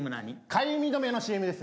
かゆみ止めのＣＭですね